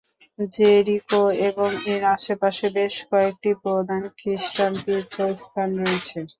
Jericho এবং এর আশেপাশে বেশ কয়েকটি প্রধান খ্রিস্টান তীর্থস্থান রয়েছে।